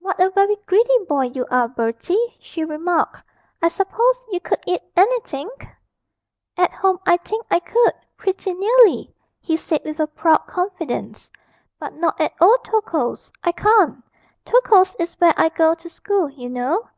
'What a very greedy boy you are, Bertie,' she remarked; 'I suppose you could eat anything?' 'At home I think I could, pretty nearly,' he said, with a proud confidence, 'but not at old Tokoe's, I can't. Tokoe's is where I go to school, you know.